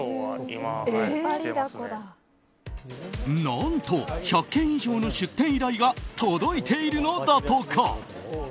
何と、１００件以上の出店依頼が届いているのだとか。